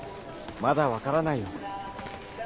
まだ分からないよ。